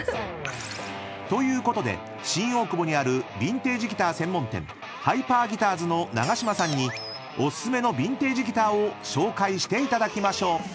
［ということで新大久保にあるビンテージギター専門店ハイパーギターズの長島さんにお薦めのビンテージギターを紹介していただきましょう］